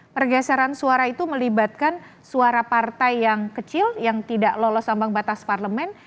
pergeseran suara itu melibatkan suara partai yang kecil yang tidak lolos ambang batas parlemen